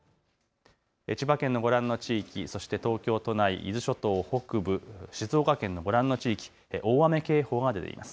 千葉県のご覧の地域、そして東京都内、伊豆諸島北部、静岡県のご覧の地域、大雨警報が出ています。